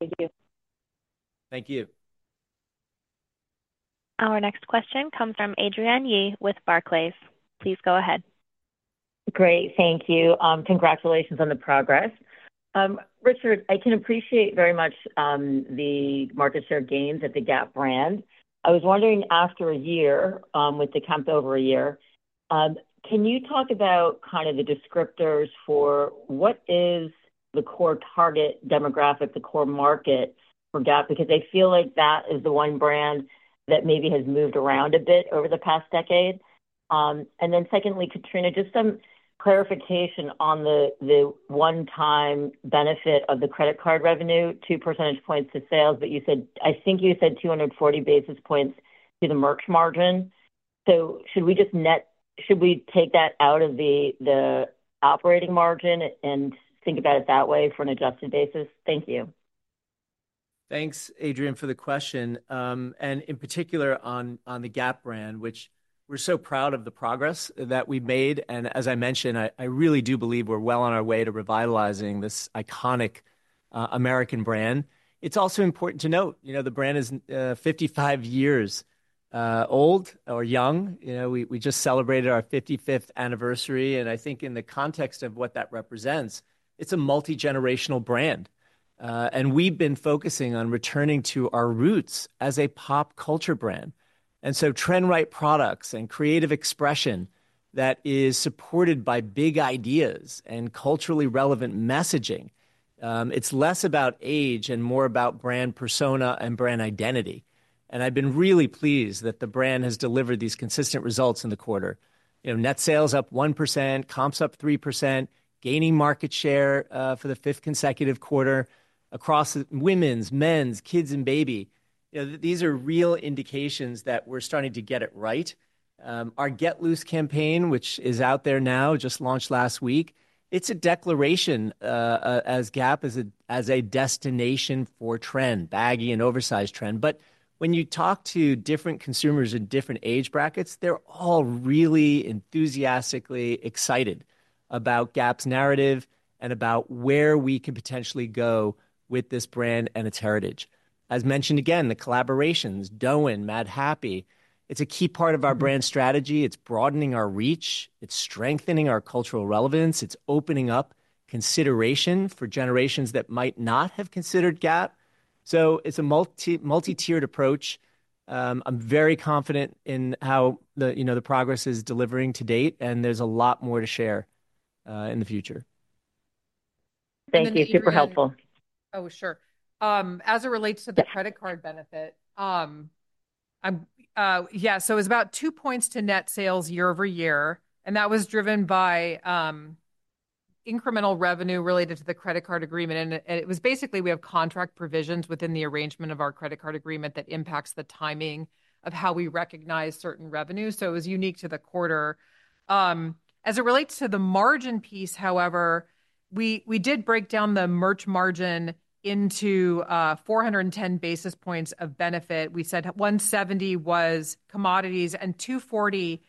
Thank you. Thank you. Our next question comes from Adrienne Yih with Barclays. Please go ahead. Great, thank you. Congratulations on the progress. Richard, I can appreciate very much the market share gains at the Gap brand. I was wondering, after a year, with the comp over a year, can you talk about kind of the descriptors for what is the core target demographic, the core market for Gap? Because I feel like that is the one brand that maybe has moved around a bit over the past decade. And then secondly, Katrina, just some clarification on the one-time benefit of the credit card revenue, two percentage points to sales, but you said—I think you said 240 basis points to the merch margin. So should we just take that out of the operating margin and think about it that way for an adjusted basis? Thank you. Thanks, Adrienne, for the question. And in particular, on the Gap brand, which we're so proud of the progress that we made, and as I mentioned, I really do believe we're well on our way to revitalizing this iconic, American brand. It's also important to note, you know, the brand is, 55 years, old or young. You know, we just celebrated our 55th anniversary, and I think in the context of what that represents, it's a multigenerational brand, and we've been focusing on returning to our roots as a pop culture brand, so trend-right products and creative expression that is supported by big ideas and culturally relevant messaging, it's less about age and more about brand persona and brand identity, and I've been really pleased that the brand has delivered these consistent results in the quarter. You know, net sales up 1%, comps up 3%, gaining market share for the fifth consecutive quarter across women's, men's, kids' and baby. You know, these are real indications that we're starting to get it right. Our Get Loose campaign, which is out there now, just launched last week, it's a declaration as Gap as a, as a destination for trend, baggy and oversized trend. But when you talk to different consumers in different age brackets, they're all really enthusiastically excited about Gap's narrative and about where we can potentially go with this brand and its heritage. As mentioned again, the collaborations, Dôen, Madhappy, it's a key part of our brand strategy. It's broadening our reach, it's strengthening our cultural relevance, it's opening up consideration for generations that might not have considered Gap. So it's a multi-tiered approach. I'm very confident in how the, you know, the progress is delivering to date, and there's a lot more to share in the future. Thank you. Super helpful. Oh, sure. As it relates to the credit card benefit, yeah, so it's about two points to net sales year-over-year, and that was driven by incremental revenue related to the credit card agreement. It was basically we have contract provisions within the arrangement of our credit card agreement that impacts the timing of how we recognize certain revenues, so it was unique to the quarter. As it relates to the margin piece, however, we did break down the merch margin into 410 basis points of benefit. We said 170 was commodities, and 240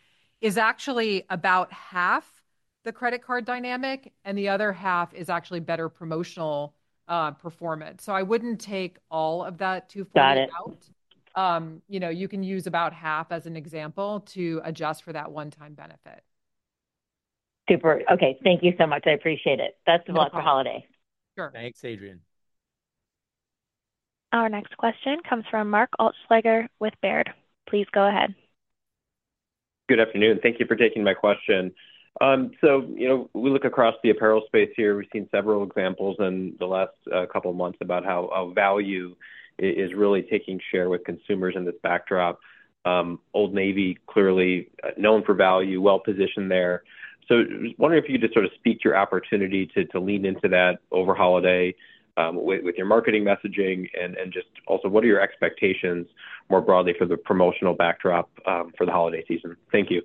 is actually about half the credit card dynamic, and the other half is actually better promotional performance. So I wouldn't take all of that too far out. Got it. You know, you can use about half as an example to adjust for that one-time benefit. Super. Okay, thank you so much. I appreciate it. Best of luck for holiday. Sure. Thanks, Adrienne. Our next question comes from Mark Altschwager with Baird. Please go ahead. Good afternoon. Thank you for taking my question. So, you know, we look across the apparel space here. We've seen several examples in the last couple of months about how value is really taking share with consumers in this backdrop. Old Navy, clearly, known for value, well-positioned there. So I was wondering if you could just sort of speak to your opportunity to lean into that over holiday with your marketing messaging, and just also, what are your expectations more broadly for the promotional backdrop for the holiday season? Thank you.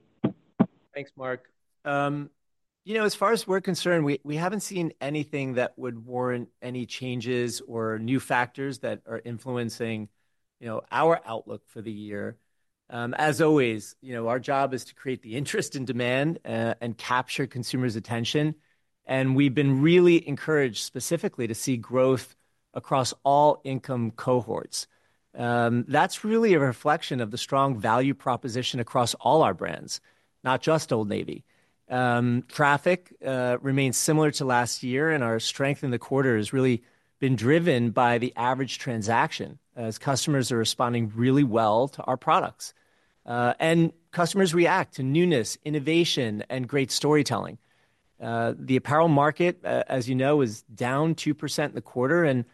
Thanks, Mark. You know, as far as we're concerned, we haven't seen anything that would warrant any changes or new factors that are influencing, you know, our outlook for the year. As always, you know, our job is to create the interest and demand, and capture consumers' attention, and we've been really encouraged specifically to see growth across all income cohorts. That's really a reflection of the strong value proposition across all our brands, not just Old Navy. Traffic remains similar to last year, and our strength in the quarter has really been driven by the average transaction as customers are responding really well to our products, and customers react to newness, innovation, and great storytelling. The apparel market, as you know, is down 2% in the quarter, and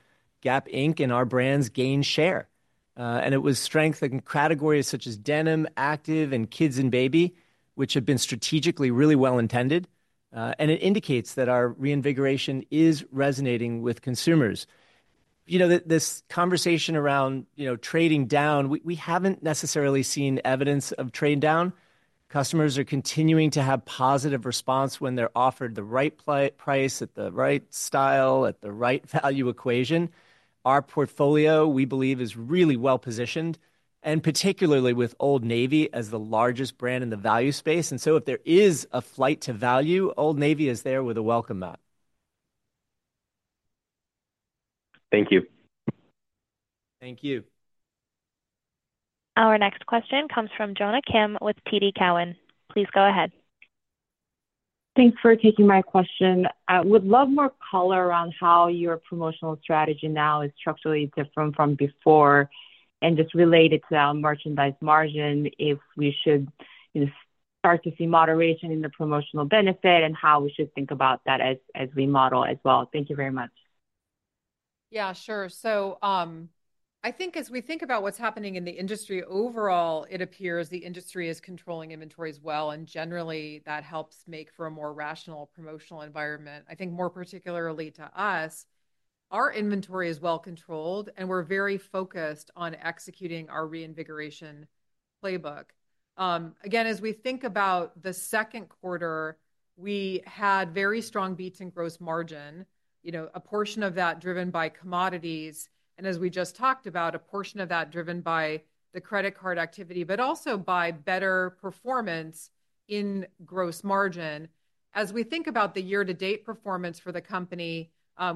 Gap Inc. and our brands gained share. and it was strength in categories such as denim, active, and kids and baby, which have been strategically really well intended, and it indicates that our reinvigoration is resonating with consumers. You know, this conversation around, you know, trading down, we, we haven't necessarily seen evidence of trade down. Customers are continuing to have positive response when they're offered the right price at the right style, at the right value equation. Our portfolio, we believe, is really well-positioned, and particularly with Old Navy as the largest brand in the value space. And so if there is a flight to value, Old Navy is there with a welcome mat. Thank you. Thank you. Our next question comes from Jonna Kim with TD Cowen. Please go ahead. Thanks for taking my question. I would love more color around how your promotional strategy now is structurally different from before, and just related to, merchandise margin, if we should, you know, start to see moderation in the promotional benefit, and how we should think about that as we model as well. Thank you very much. Yeah, sure. So, I think as we think about what's happening in the industry, overall, it appears the industry is controlling inventory as well, and generally, that helps make for a more rational promotional environment. I think more particularly to us, our inventory is well-controlled, and we're very focused on executing our reinvigoration playbook. Again, as we think about the second quarter, we had very strong beats in gross margin, you know, a portion of that driven by commodities, and as we just talked about, a portion of that driven by the credit card activity, but also by better performance in gross margin. As we think about the year-to-date performance for the company,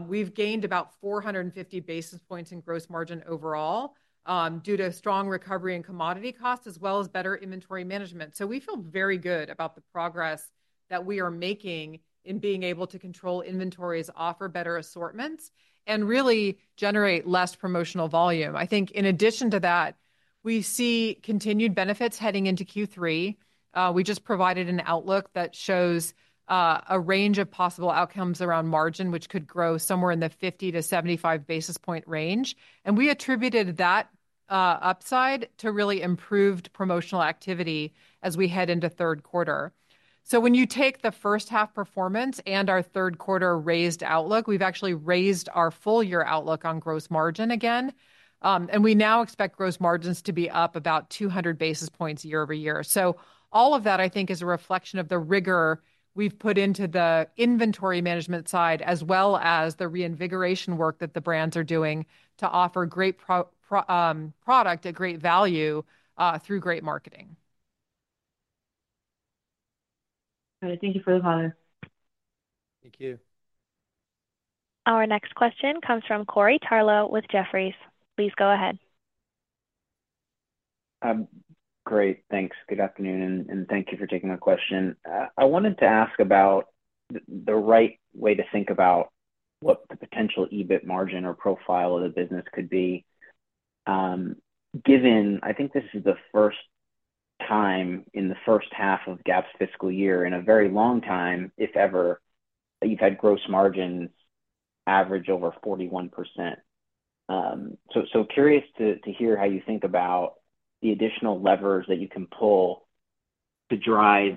we've gained about 450 basis points in gross margin overall, due to strong recovery in commodity costs, as well as better inventory management. So we feel very good about the progress that we are making in being able to control inventories, offer better assortments, and really generate less promotional volume. I think in addition to that, we see continued benefits heading into Q3. We just provided an outlook that shows a range of possible outcomes around margin, which could grow somewhere in the 50-75 basis point range, and we attributed that upside to really improved promotional activity as we head into third quarter. So when you take the first half performance and our third quarter raised outlook, we've actually raised our full-year outlook on gross margin again, and we now expect gross margins to be up about 200 basis points year-over-year. So all of that, I think, is a reflection of the rigor we've put into the inventory management side, as well as the reinvigoration work that the brands are doing to offer great product at great value through great marketing. All right. Thank you for the call. Thank you. Our next question comes from Corey Tarlowe with Jefferies. Please go ahead. Great. Thanks. Good afternoon, and thank you for taking my question. I wanted to ask about the right way to think about what the potential EBIT margin or profile of the business could be, given I think this is the first time in the first half of Gap's fiscal year, in a very long time, if ever, that you've had gross margins average over 41%. So, curious to hear how you think about the additional levers that you can pull to drive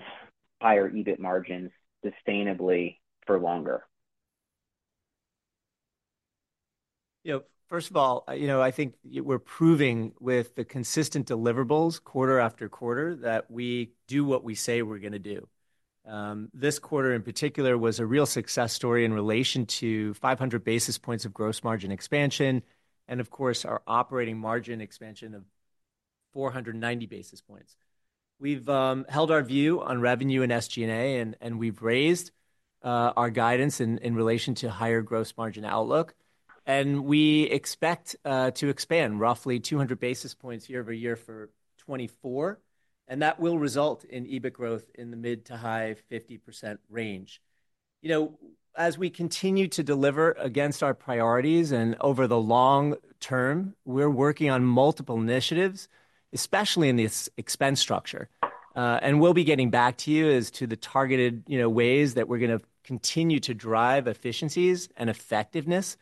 higher EBIT margins sustainably for longer. You know, first of all, you know, I think we're proving with the consistent deliverables quarter after quarter that we do what we say we're gonna do. This quarter in particular was a real success story in relation to 500 basis points of gross margin expansion and, of course, our operating margin expansion of 490 basis points. We've held our view on revenue and SG&A, and we've raised our guidance in relation to higher gross margin outlook. And we expect to expand roughly 200 basis points year-over-year for 2024, and that will result in EBIT growth in the mid- to high-50% range. You know, as we continue to deliver against our priorities and over the long term, we're working on multiple initiatives, especially in the expense structure. And we'll be getting back to you as to the targeted, you know, ways that we're gonna continue to drive efficiencies and effectiveness.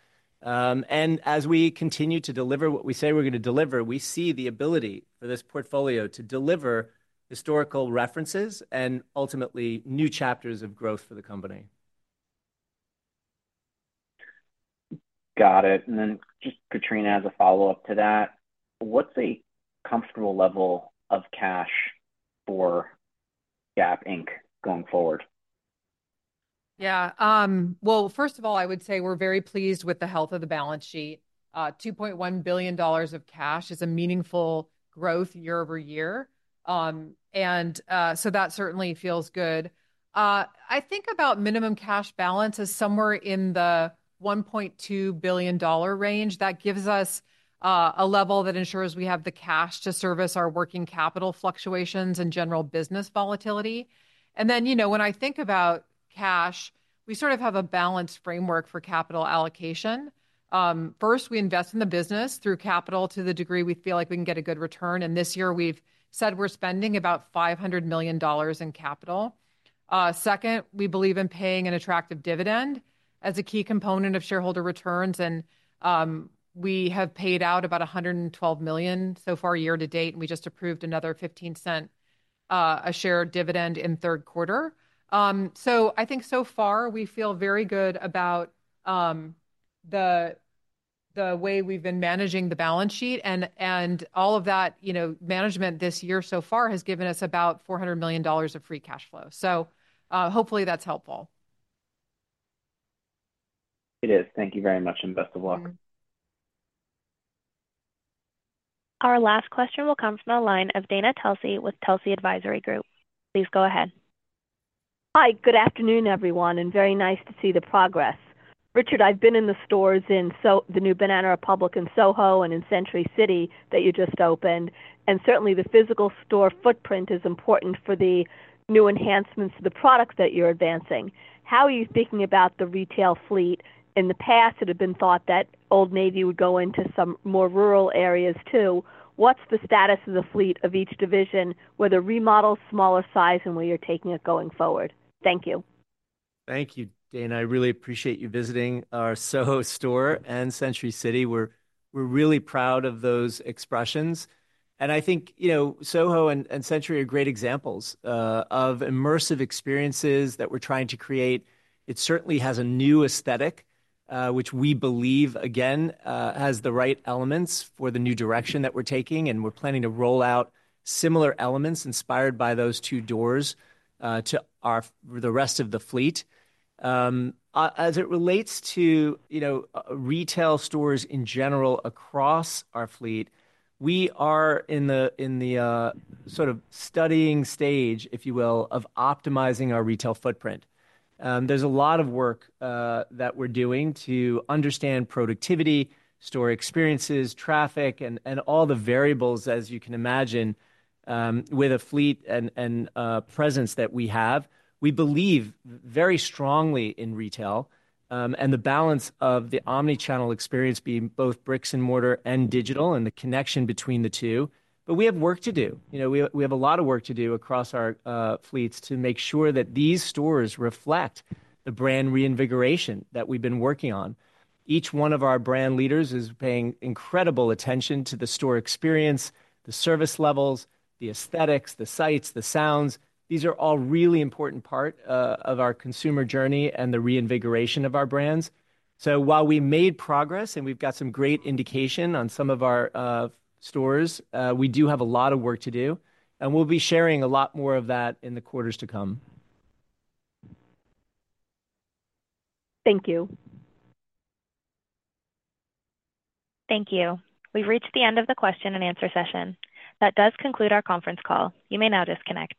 And as we continue to deliver what we say we're gonna deliver, we see the ability for this portfolio to deliver historical references and ultimately new chapters of growth for the company. Got it. And then just Katrina, as a follow-up to that, what's a comfortable level of cash for Gap Inc. going forward? First of all, I would say we're very pleased with the health of the balance sheet. $2.1 billion of cash is a meaningful growth year-over-year. And so that certainly feels good. I think about minimum cash balance as somewhere in the $1.2 billion range. That gives us a level that ensures we have the cash to service our working capital fluctuations and general business volatility. And then, you know, when I think about cash, we sort of have a balanced framework for capital allocation. First, we invest in the business through capital to the degree we feel like we can get a good return, and this year we've said we're spending about $500 million in capital. Second, we believe in paying an attractive dividend as a key component of shareholder returns, and we have paid out about $112 million so far year to date, and we just approved another $0.15-a-share dividend in third quarter. So I think so far, we feel very good about the way we've been managing the balance sheet, and all of that, you know, management this year so far has given us about $400 million of free cash flow. Hopefully, that's helpful. It is. Thank you very much, and best of luck. Our last question will come from the line of Dana Telsey with Telsey Advisory Group. Please go ahead. Hi, good afternoon, everyone, and very nice to see the progress. Richard, I've been in the stores in Soho, the new Banana Republic in Soho and in Century City that you just opened, and certainly the physical store footprint is important for the new enhancements to the products that you're advancing. How are you thinking about the retail fleet? In the past, it had been thought that Old Navy would go into some more rural areas, too. What's the status of the fleet of each division, whether remodels, smaller size, and where you're taking it going forward? Thank you. Thank you, Dana. I really appreciate you visiting our Soho store and Century City. We're really proud of those expressions. And I think, you know, Soho and Century are great examples of immersive experiences that we're trying to create. It certainly has a new aesthetic, which we believe, again, has the right elements for the new direction that we're taking, and we're planning to roll out similar elements inspired by those two doors to the rest of the fleet. As it relates to, you know, retail stores in general across our fleet, we are in the sort of studying stage, if you will, of optimizing our retail footprint. There's a lot of work that we're doing to understand productivity, store experiences, traffic, and all the variables, as you can imagine, with a fleet and presence that we have. We believe very strongly in retail and the balance of the omnichannel experience being both bricks and mortar and digital, and the connection between the two, but we have work to do. You know, we have a lot of work to do across our fleets to make sure that these stores reflect the brand reinvigoration that we've been working on. Each one of our brand leaders is paying incredible attention to the store experience, the service levels, the aesthetics, the sights, the sounds. These are all really important part of our consumer journey and the reinvigoration of our brands. So while we made progress and we've got some great indication on some of our stores, we do have a lot of work to do, and we'll be sharing a lot more of that in the quarters to come. Thank you. Thank you. We've reached the end of the question-and-answer session. That does conclude our conference call. You may now disconnect.